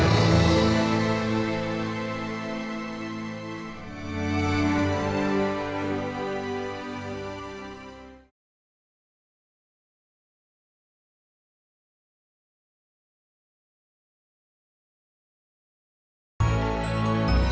sekau ini bertahan